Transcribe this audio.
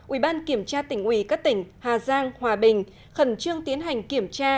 ủy ban kiểm tra tỉnh ủy các tỉnh hà giang hòa bình khẩn trương tiến hành kiểm tra